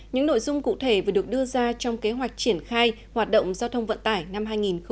những nội dung cụ thể vừa được đưa ra trong kế hoạch triển khai hoạt động giao thông vận tải năm hai nghìn hai mươi